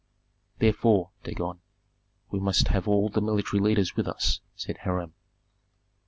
"Therefore, Dagon, we must have all the military leaders with us," said Hiram.